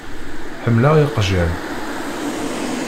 Ḥemmleɣ iqjan.